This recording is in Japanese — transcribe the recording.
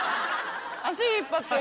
足引っ張ってる。